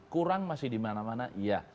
kurang masih di mana mana ya